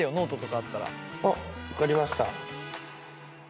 あっ分かりました。